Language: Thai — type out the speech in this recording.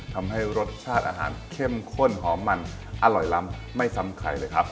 ทำให้รสชาติอาหารเข้มข้นหอมมันอร่อยล้ำไม่ซ้ำใครเลยครับ